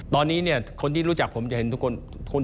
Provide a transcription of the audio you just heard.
ตอนนี้คนที่รู้จักผมจะเห็นคุณ